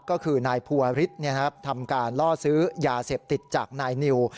ก็คือนายภูวฤทธิ์ทำการล่อซื้อยาเสพติดจากนายนิว